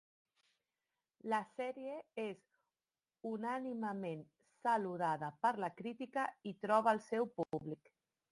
La sèrie és unànimement saludada per la crítica i troba el seu públic.